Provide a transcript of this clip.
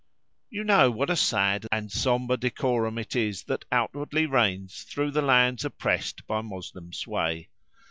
You know what a sad and sombre decorum it is that outwardly reigns through the lands oppressed by Moslem sway.